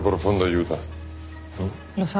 うん？